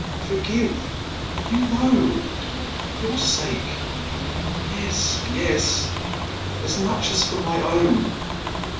Forgive — you know — your sake — ^yes, yes — as much as for my own."